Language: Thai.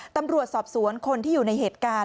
ตำรวจสอบสวนคนที่อยู่ในเหตุการณ์